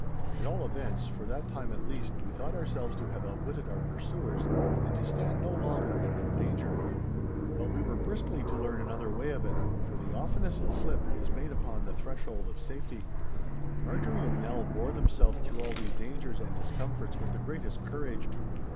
At all events, for that time at least, we thought ourselves to have outwitted our pursuers and to stand no longer in their danger. But we were briskly to learn another way of it, for the oftenest slip is made upon the threshold of safety. Marjorie and Nell bore themselves through all these dangers and discomforts with the greatest courage.